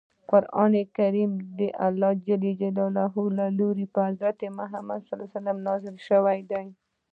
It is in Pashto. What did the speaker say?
قران کریم دالله ج له لوری په محمد ص نازل شوی دی.